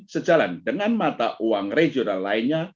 sejalan dengan mata uang regional lainnya